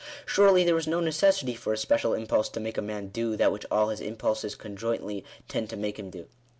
Surely there is no necessity for a special impulse to make a man do that which all his impulses conjointly tend to make him do.